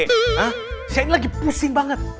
nah saya ini lagi pusing banget